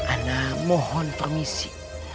anak mohon permisi